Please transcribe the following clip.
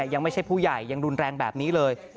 ยังไม่ใช่ผู้ใหญ่ยังรุนแรงแบบนี้เลย